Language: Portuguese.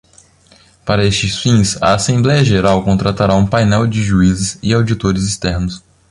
Para estes fins, a Assembleia Geral contratará um painel de juízes e auditores externos.